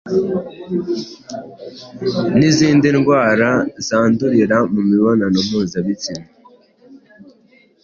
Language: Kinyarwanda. nizindi ndwara zandurira mu mibonano mpuzabitsina.